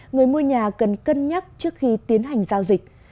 người mua nhà cần cân nhắc trước khi tiến hành giao dịch